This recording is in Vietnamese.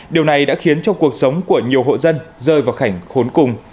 điều này đã khiến cho cuộc sống của nhiều hộ dân rơi vào cảnh khốn cùng